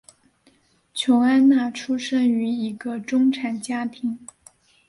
琼安娜出生于一个中产家庭。